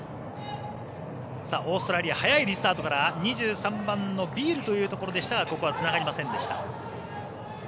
オーストラリア速いリスタートから２３番のビールというところでしたがここはつながりませんでした。